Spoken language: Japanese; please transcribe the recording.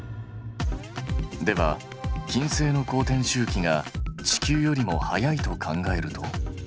では金星の公転周期が地球よりも早いと考えると。